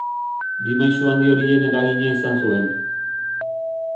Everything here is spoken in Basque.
Bi maisu handi horien eragina izan zuen.